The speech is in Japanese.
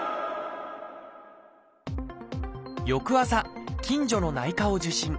翌朝近所の内科を受診。